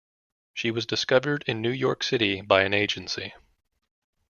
She was discovered in New York City by an agency.